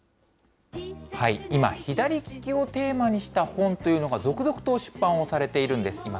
今、左利きをテーマにした本というのが、続々と出版をされているんです。